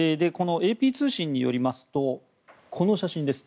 ＡＰ通信によりますとこの写真です。